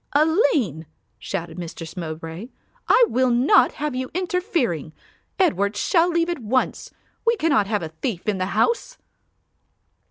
"Aline," shouted Mistress Mowbray, "I will not have you interfering. Edward shall leave at once. We cannot have a thief in the house."